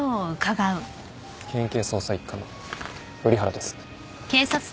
県警捜査一課の瓜原です。